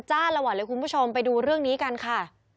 จ้าละวันเลยคุณผู้ชมไปดูเรื่องนี้กันค่ะ